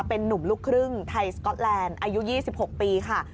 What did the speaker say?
เป็นนุ่มลูกครึ่งไทยสก๊อตแลนด์อายุ๒๖ปีค่ะ